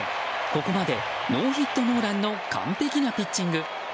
ここまでノーヒットノーランの完璧なピッチング。